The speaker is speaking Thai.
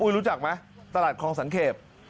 รู้จักไหมตลาดคลองสังเกต